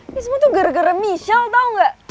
ini semua tuh gara gara michel tau gak